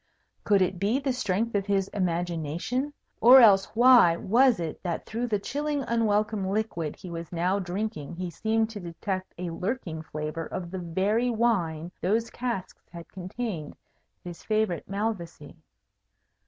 Could it be the strength of his imagination, or else why was it that through the chilling, unwelcome liquid he was now drinking he seemed to detect a lurking flavour of the very wine those casks had contained, his favourite Malvoisie?